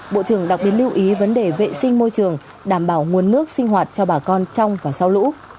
bộ trưởng đặc biệt lưu ý vấn đề vệ sinh môi trường đảm bảo nguồn nước sinh hoạt cho bà con trong và sau lũ